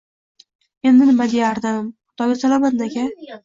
Endi, nima deyardim, Xudoga solaman-da, aka.